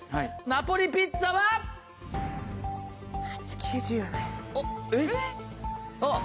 ナポリピッツァは？えっ？